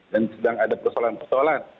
dan sedang ada persoalan persoalan